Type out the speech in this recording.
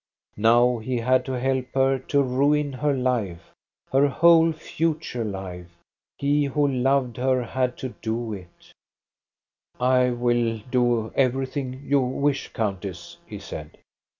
Now he had to help her to ruin her life, her whole future life. He who loved her had to do it. THE CHILD'S MOTHER 393 " I will do everything you wish, countess," he said.